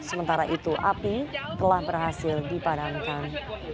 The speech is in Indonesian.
sementara itu api telah berhasil dipadamkan